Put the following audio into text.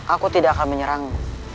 aku tidak akan menyerang